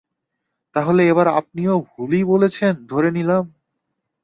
তাহলে, এবারও আপনি ভুলই বলছেন ধরে নিলাম।